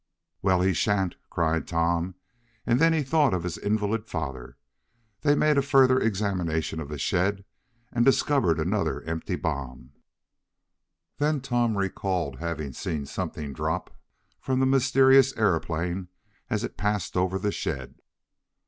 "Well, he sha'n't!" cried Tom, and then he thought of his invalid father. They made a further examination of the shed, and discovered another empty bomb. Then Tom recalled having seen something drop from the mysterious aeroplane as it passed over the shed.